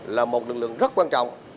là một lực lượng rất quan trọng